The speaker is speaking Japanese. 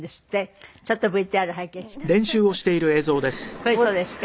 これそうですか？